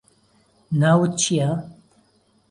ناوت چییە؟